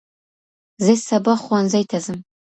زه سباه ښوونځي ته ځم.